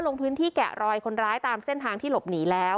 ลงพื้นที่แกะรอยคนร้ายตามเส้นทางที่หลบหนีแล้ว